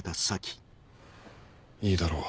いいだろう。